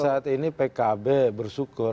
saat ini pkb bersyukur